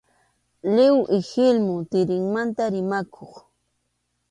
Lliw ihilmum tirinmanta rimaqku.